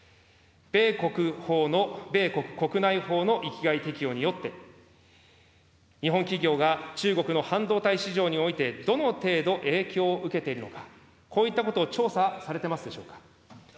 米国法の、米国国内法の域外適用によって、日本企業が中国の半導体市場において、どの程度影響を受けているのか、こういったことを調査されてますでしょうか。